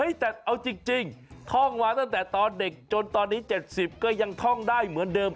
แต่เอาจริงท่องมาตั้งแต่ตอนเด็กจนตอนนี้๗๐ก็ยังท่องได้เหมือนเดิม